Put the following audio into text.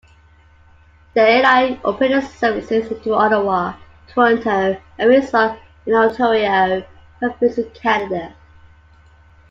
The airline operated services to Ottawa, Toronto and Windsor in Ontario province in Canada.